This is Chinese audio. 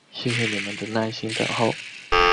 谢谢你们的耐心等候！